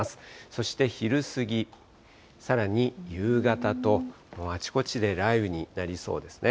そして昼過ぎ、さらに夕方と、あちこちで雷雨になりそうですね。